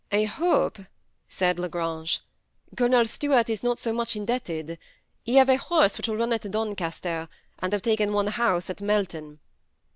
" I hope," said La Grange, " Colonel Stuart is not so much indebted. He have a horae which will run at Doncaster, and have taken one house at Melton."